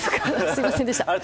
すみませんでした。